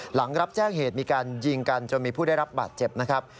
หลังรับแจ้งเหตุมีการยิงกันจนมีผู้ได้รับบาดเจ็บนะครับ